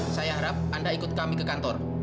saya harap anda ikut kami ke kantor